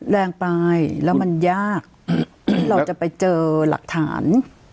แรงไปแล้วมันยากที่เราจะไปเจอหลักฐาน